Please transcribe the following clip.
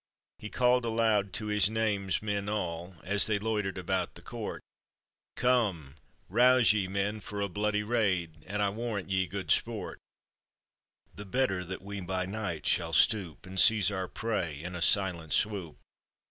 He called aloud to his namesmen all, As they loitered about the court; " Come, rouse ye, men, for a bloody raid, And I warrant ye good sport; The better that we by night shall stoop, And seize our prey in a silent swoop.